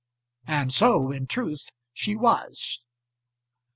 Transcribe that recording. And so in truth she was.